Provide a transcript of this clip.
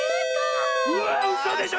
うわうそでしょ！